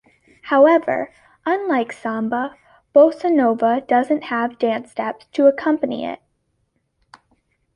However, unlike samba, bossa nova doesn't have dance steps to accompany it.